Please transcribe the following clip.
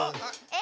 え？